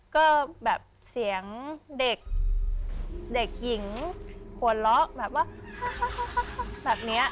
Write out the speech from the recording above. ก็แบบเสียงเด็กหญิงหัวเราะแบบว่าแบบนี้